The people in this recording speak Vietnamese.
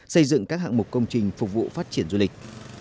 xây dựng các hạng mục công trình phục vụ phát triển du lịch